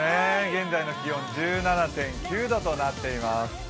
現在の気温、１７．９度となっています